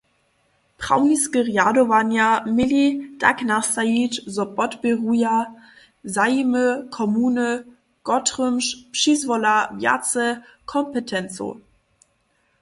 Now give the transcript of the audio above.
Prawniske rjadowanja měli tak nastajić, zo podpěruja zajimy komuny, kotrymž přizwola wjace kompetencow.